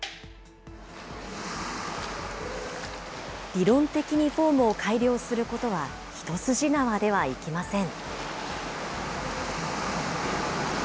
理論的にフォームを改良することは一筋縄ではいきません。